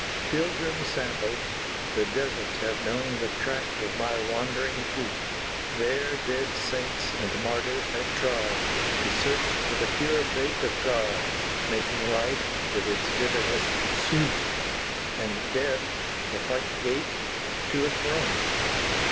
Pilgrim sandalled, the deserts have known The track of my wandering feet, Where dead saints and martyrs have trod, To search for the pure faith of God, Making life with its bitterness sweet, And death the white gate to a throne.